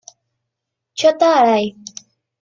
Shota Arai